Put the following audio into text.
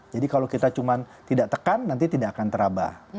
jadi kalau kita cuma tidak tekan nanti tidak akan teraba